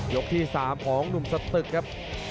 ที่๓ของหนุ่มสตึกครับ